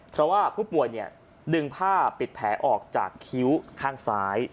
เพราะว่าผู้ป่วยดึงผ้าปิดแผลออกจากคิ้วข้างซ้าย